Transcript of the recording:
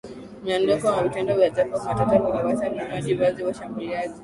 Miondoko na vitendo vya Jacob Matata viliwaacha vinywa wazi washambuliaji